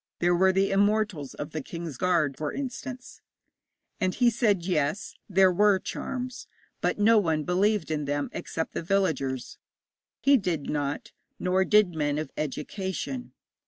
There were the Immortals of the King's Guard, for instance.' And he said, yes, there were charms, but no one believed in them except the villagers. He did not, nor did men of education.